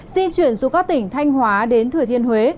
di chuyển xuống các tỉnh thanh hóa đến thừa thiên huế